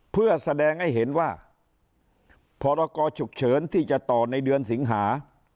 เพื่อแสดงให้เห็นว่าพรกรฉุกเฉินที่จะต่อในเดือนสิงหา